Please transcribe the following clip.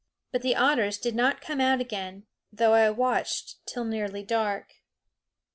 But the otters did not come out again, though I watched till nearly dark.